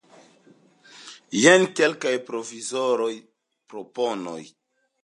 Jen kelkaj provizoraj proponoj.